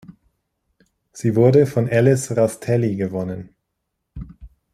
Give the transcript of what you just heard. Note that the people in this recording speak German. Sie wurde von Ellis Rastelli gewonnen.